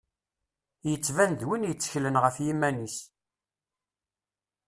Yettban d win i tteklen ɣef yiman-is.